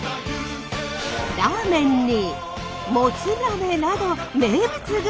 ラーメンにもつ鍋など名物グルメ。